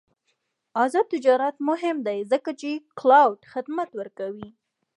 آزاد تجارت مهم دی ځکه چې کلاؤډ خدمات ورکوي.